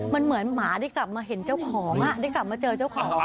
มันเหมือนหมาได้กลับมาเห็นเจ้าของได้กลับมาเจอเจ้าของ